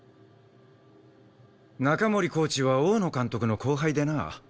中森コーチは大野監督の後輩でな。